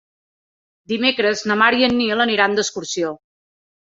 Dimecres na Mar i en Nil aniran d'excursió.